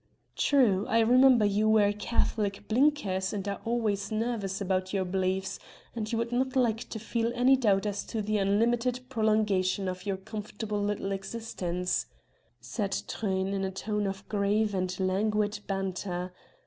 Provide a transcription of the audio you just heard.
"True. I remember you wear Catholic blinkers and are always nervous about your beliefs; and you would not like to feel any doubt as to the unlimited prolongation of your comfortable little existence," said Truyn in a tone of grave and languid banter.